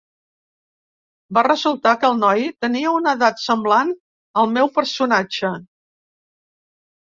Va resultar que el noi tenia una edat semblant al meu personatge.